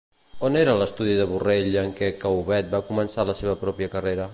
On era l'estudi de Borrell en què Caubet va començar la seva pròpia carrera?